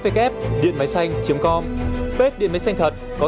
bếp điện máy xanh thật có xác nhận tích xanh của facebook